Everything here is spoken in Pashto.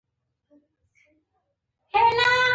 هغوی بايد د دغه موټر ماشين ډيزاين کړي.